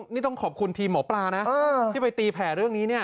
นี่ต้องขอบคุณทีมหมอปลานะที่ไปตีแผ่เรื่องนี้เนี่ย